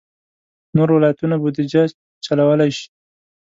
نور ولایتونه بودجه چلولای شي.